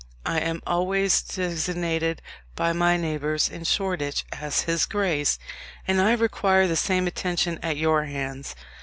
I am always designated by my neighbours in Shoreditch as his grace; and I require the same attention at your hands.